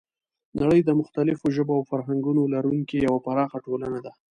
نړۍ د مختلفو ژبو او فرهنګونو لرونکی یوه پراخه ټولنه ده.